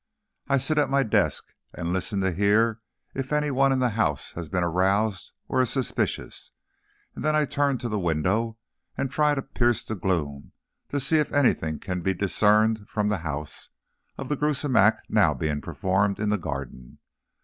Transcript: I sit at my desk and listen to hear if any one in the house has been aroused or is suspicious, and then I turn to the window and try to pierce the gloom to see if anything can be discerned, from the house, of the grewsome act now being performed in the garden.